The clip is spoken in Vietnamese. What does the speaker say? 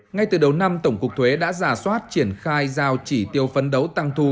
ngay từ đầu năm tổng cục thuế đã giả soát triển khai giao chỉ tiêu phấn đấu tăng thu